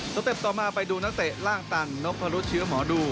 เต็ปต่อมาไปดูนักเตะล่างตันนกพรุเชื้อหมอดู